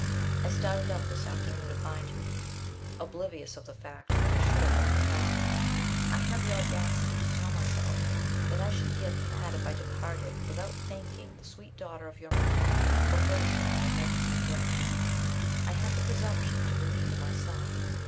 "I started out this afternoon to find you, oblivious of the fact that I should have left town. I had the audacity to tell myself that I should be a cad if I departed without thanking the sweet daughter of your mother for her share in making me great. I had the presumption to believe in myself.